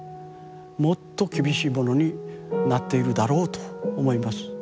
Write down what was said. もっと厳しいものになっているだろうと思います。